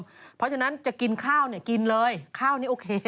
เพราะฉะนั้นจะกินข้าวเนี่ยกินเลยข้าวนี้โอเค